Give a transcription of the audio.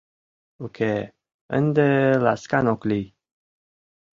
— Уке, ынде ласкан ок лий.